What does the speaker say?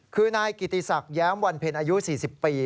คือนายกิติศักดิ์แย้มวันเพ็ญอายุ๔๐ปี